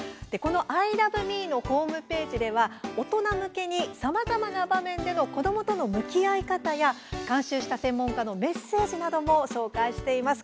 「アイラブみー」のホームページでは大人向けにさまざまな場面での子どもとの向き合い方や監修した専門家のメッセージなども紹介しています。